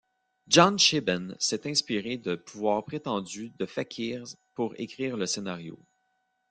John Shiban s'est inspiré de pouvoirs prétendus de fakirs pour écrire le scénario.